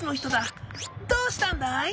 どうしたんだい？